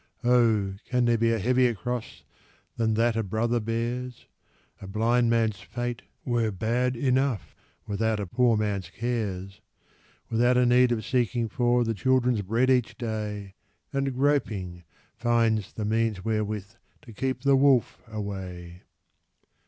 Oh, can there be a heavier cross Than that a brother bears? A blind man's fate were bad enough Without a poor man's cares ; \V ithout a need of seeking for The children's bread each day, And groping, finds the means wherewith To keep the wolf away.